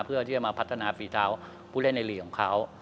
เพื่อที่จะมาพัฒนาฝีเท้าผู้เล่นในลีกของเขา